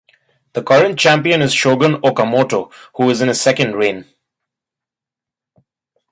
The current champion is Shogun Okamoto who is in his second reign.